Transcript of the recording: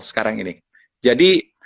sekarang ini jadi